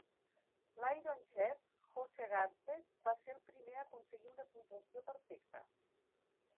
L'"Iron Chef" Jose Garces va ser el primer a aconseguir una puntuació perfecta.